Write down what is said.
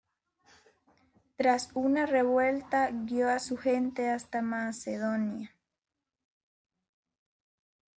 Tras una revuelta, guio a su gente hasta Macedonia.